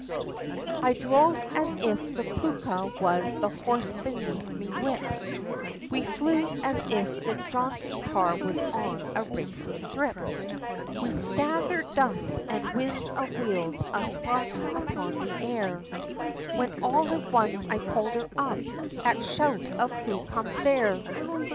I dhrove as if the Phooka was the horse beneath me whip, We flew, as if the jauntin' car was on a racin' thrip, We scatthered dust, an' whizz of wheels, an' sparks upon the air, When all at once, I pulled her up, at shout of "Who comes there?"